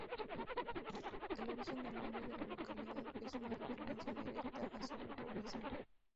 El origen del nombre de la localidad es una referencia directa a su repoblación.